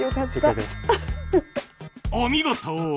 お見事！